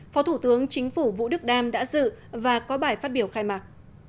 phó thủ tướng chính phủ vũ đức đam đã dự và có bài phát biểu khai mạc